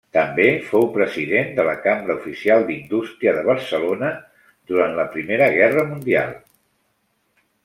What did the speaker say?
També fou president de la Cambra Oficial d'Indústria de Barcelona durant la Primera Guerra Mundial.